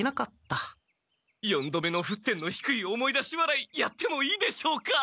四度目の沸点の低い思い出し笑いやってもいいでしょうか？